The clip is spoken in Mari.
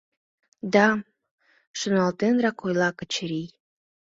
— Да, — шоналтенрак ойла Качырий.